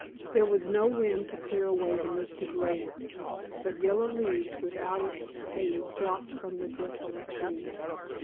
There was no wind to clear away the misty greyness, but yellow leaves without its aid dropped from the disconsolate trees.